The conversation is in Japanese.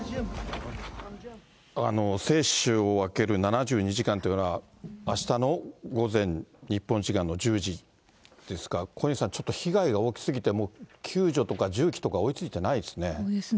生死を分ける７２時間というのは、あしたの午前、日本時間の１０時ですか、小西さん、ちょっと被害が大きすぎて、もう救助とか重機とか追いついてないですね。